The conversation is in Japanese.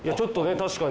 確かに。